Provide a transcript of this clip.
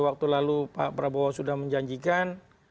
waktu lalu pak prabowo sudah menjanjikan